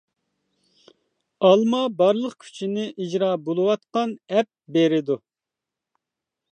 ئالما بارلىق كۈچنى ئىجرا بولۇۋاتقان ئەپ بېرىدۇ.